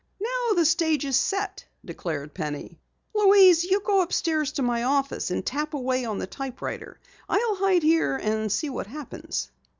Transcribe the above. "Now the stage is set," declared Penny. "Louise, you go upstairs to my office and tap on the typewriter. I'll hide here and see what happens."